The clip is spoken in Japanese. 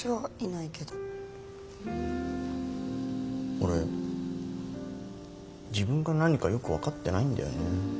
俺自分が何かよく分かってないんだよね。